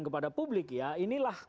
kepada publik ya inilah